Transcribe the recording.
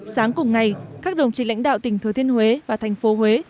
sáng cùng ngày các đồng chí lãnh đạo tỉnh thừa thiên huế và thành phố huế